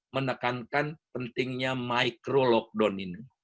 menekankan pentingnya micro lockdown ini